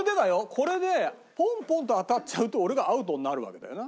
これでポンポンと当たっちゃうと俺がアウトになるわけだよな？